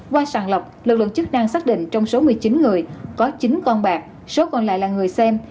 qua sàng lọc lực lượng chức năng xác định trong số một mươi chín người có chín con bạc số còn lại là người xem